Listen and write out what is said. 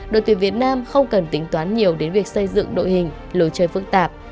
đội tuyển việt nam không cần tính toán nhiều đến việc xây dựng đội hình lối chơi phức tạp